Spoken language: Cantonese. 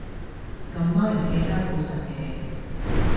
咁多人記得，好神奇